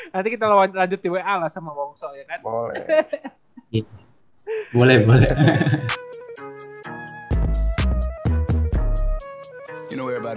nanti kita lanjut di wa lah sama wongsol ya kan